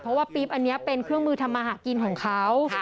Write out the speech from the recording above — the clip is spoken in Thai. เพราะว่าปี๊บอันนี้เป็นเครื่องมือทำมาหากินของเขา